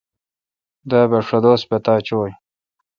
دوا بہ ݭہ دوس پتا چویں